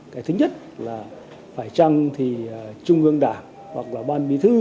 cái thứ nhất là phải chăng thì trung ương đảng hoặc là ban bí thư